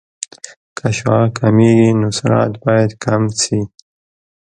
که شعاع کمېږي نو سرعت باید کم شي